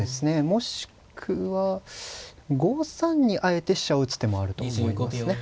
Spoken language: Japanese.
もしくは５三にあえて飛車を打つ手もあると思いますね。